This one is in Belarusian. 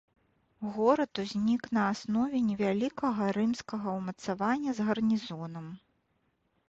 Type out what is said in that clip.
Горад узнік на аснове невялікага рымскага ўмацавання з гарнізонам.